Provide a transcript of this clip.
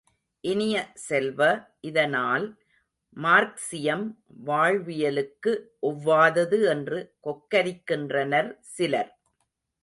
இனிய செல்வ, இதனால் மார்க்சியம் வாழ்வியலுக்கு ஒவ்வாதது என்று கொக்கரிக்கின்றனர் சிலர்.